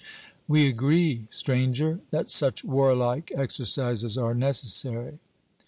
'We agree, Stranger, that such warlike exercises are necessary.'